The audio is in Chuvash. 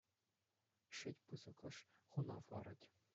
Шит пысӑкӑш хунав ларать.